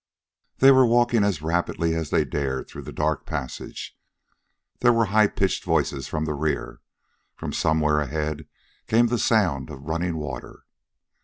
They were walking as rapidly as they dared through the dark passage. There were high pitched voices from the rear. From somewhere ahead came the sound of running water.